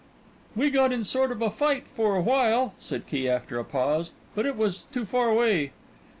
"We got in a sort of fight for a while," said Key after a pause, "but it was too far away."